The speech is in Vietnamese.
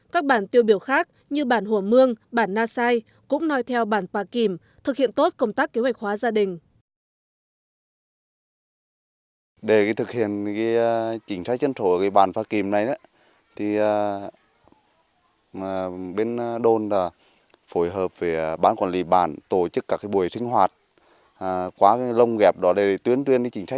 các bản tiêu biểu khác như bản hồ mương bản na sai cũng nói theo bản hoa kìm thực hiện tốt công tác kế hoạch hóa gia đình